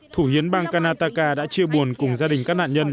thủ hiến bang kanataka đã chia buồn cùng gia đình các nạn nhân